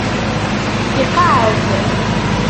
Iqeεεed.